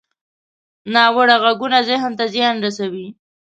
ناوړه غږونه ذهن ته زیان رسوي